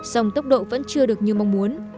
sông tốc độ vẫn chưa được như mong muốn